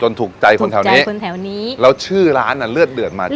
ถูกใจคนแถวนี้คนแถวนี้แล้วชื่อร้านอ่ะเลือดเดือดมาจาก